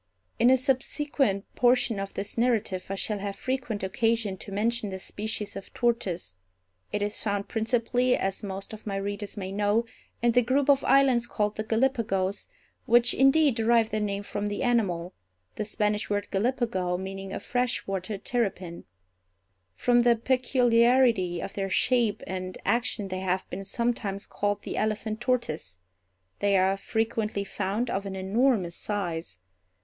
In a subsequent portion of this narrative I shall have frequent occasion to mention this species of tortoise. It is found principally, as most of my readers may know, in the group of islands called the Gallipagos, which, indeed, derive their name from the animal—the Spanish word Gallipago meaning a fresh water terrapin. From the peculiarity of their shape and action they have been sometimes called the elephant tortoise. They are frequently found of an enormous size.